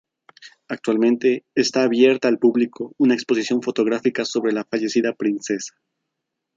Actualmente está abierta al público una exposición fotográfica sobre la fallecida princesa.